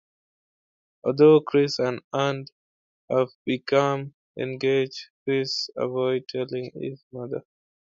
Although Chris and Ann have become engaged, Chris avoids telling his mother.